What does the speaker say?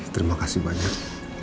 terima kasih banyak